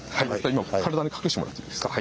体で隠してもらっていいですか？